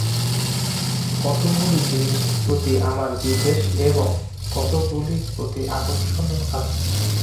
কতকগুলি জিনিষের প্রতি আমাদের বিদ্বেষ এবং কতকগুলির প্রতি আকর্ষণ আছে।